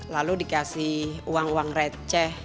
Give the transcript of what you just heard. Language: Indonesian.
lalu dikasih uang uang receh